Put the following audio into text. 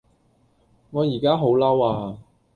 我依家好嬲呀